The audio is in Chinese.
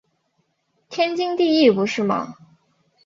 天经地义不是吗？